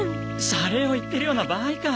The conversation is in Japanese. シャレを言ってるような場合か。